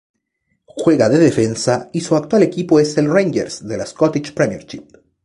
Juega de defensa y su actual equipo es el Rangers de la Scottish Premiership.